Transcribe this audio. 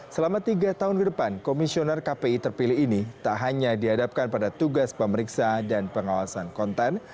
selama tiga tahun ke depan komisioner kpi terpilih ini tak hanya dihadapkan pada tugas pemeriksa dan pengawasan konten